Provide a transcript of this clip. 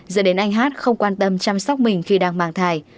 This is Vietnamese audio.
dẫn đến anh hát không quan tâm chăm sóc mình khi đang mang thai